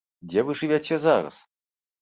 Дзе вы жывяце зараз?